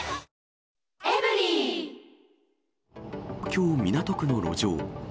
きょう、港区の路上。